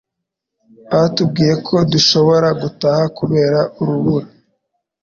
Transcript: Batubwiye ko dushobora gutaha kubera urubura